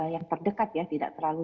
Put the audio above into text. yang terdekat ya tidak terlalu